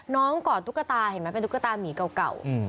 กอดตุ๊กตาเห็นไหมเป็นตุ๊กตามีเก่า